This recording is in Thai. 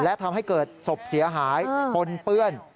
และทำให้เกิดศพเสียหายปนเปื้อน